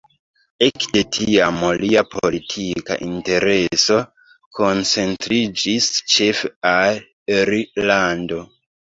Ekde tiam lia politika intereso koncentriĝis ĉefe al Irlando.